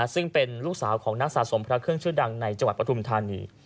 ซึ่งเป็นลูกสาวของนักสะสมพระเครื่องชื่อดังในจังหวัดปฐุมธานี